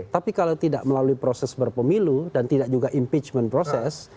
tapi kalau tidak melalui proses berpemilu dan tidak juga impeachment proses